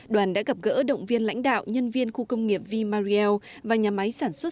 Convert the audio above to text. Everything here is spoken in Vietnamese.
đoàn đã gặp gỡ động viên lãnh đạo nhân viên khu công nghiệp v mariel và nhà máy sản xuất